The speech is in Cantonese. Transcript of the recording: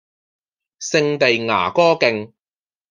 聖地牙哥徑